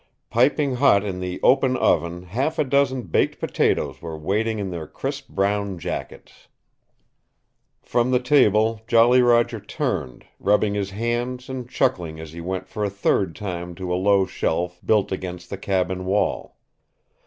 Piping hot in the open oven half a dozen baked potatoes were waiting in their crisp brown jackets. From the table Jolly Roger turned, rubbing his hands and chuckling as he went for a third time to a low shelf built against the cabin wall.